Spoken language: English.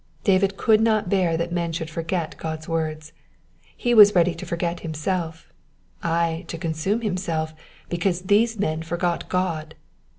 David could not bear that men should forget God's words. He was ready to forget himself, ay. to consume himself, because these men forgot God.